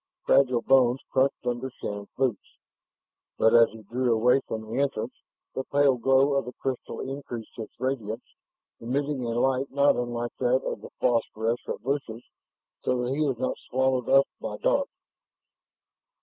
Fragile bones crunched under Shann's boots, but as he drew away from the entrance, the pale glow of the crystal increased its radiance, emitting a light not unlike that of the phosphorescent bushes, so that he was not swallowed up by dark.